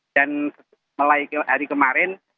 dan mulai hari kemarin